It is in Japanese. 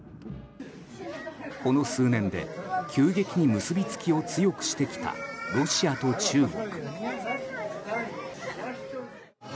この数年で急激に結びつきを強くしてきた、ロシアと中国。